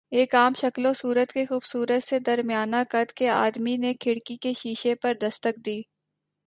ایک عام شکل و صورت کے خوبصورت سے درمیانہ قد کے آدمی نے کھڑکی کے شیشے پر دستک دی۔